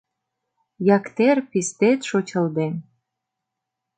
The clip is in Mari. Яктер пистет шочылден.